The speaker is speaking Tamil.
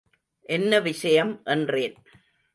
என்ன விஷயம் என்றேன்.